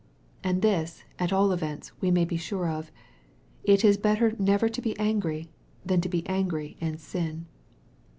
And this, at all events, we may be sure of it is better never to be angry, than to be angry and sin.